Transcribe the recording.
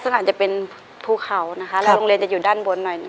ในแคมเปญพิเศษเกมต่อชีวิตโรงเรียนของหนู